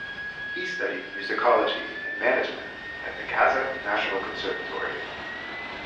He studied musicology and management in the Kazakh National Conservatory.